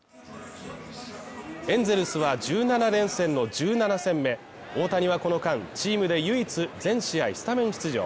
エンゼルスは１７連戦の１７戦目、大谷はこの間、チームで唯一全試合スタメン出場。